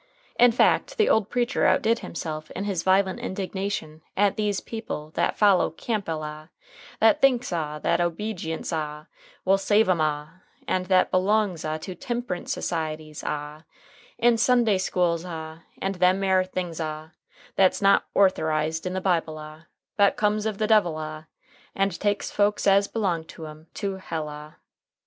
In fact, the old preacher outdid himself in his violent indignation at "these people that follow Campbell ah, that thinks ah that obejience ah will save 'em ah and that belongs ah to temp'rince societies ah and Sunday schools ah, and them air things ah, that's not ortherized in the Bible ah, but comes of the devil ah, and takes folks as belongs to 'em to hell ah."